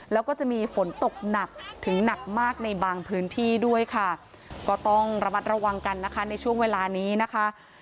แล้วก็จะมีฝนตกหนัก